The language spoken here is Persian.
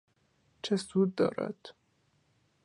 چه سود دارد